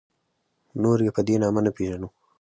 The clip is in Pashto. نور یې په دې نامه نه پېژنو.